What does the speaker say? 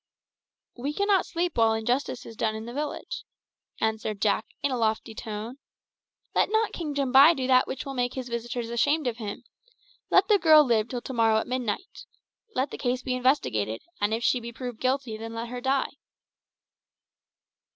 "We cannot sleep while injustice is done in the village," answered Jack, in a lofty tone. "Let not King Jambai do that which will make his visitors ashamed of him. Let the girl live till to morrow at midnight. Let the case be investigated, and if she be proved guilty then let her die."